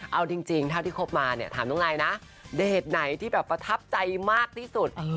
เอาจริงเท่าที่คบมาเนี่ยถามน้องนายนะเดทไหนที่แบบประทับใจมากที่สุด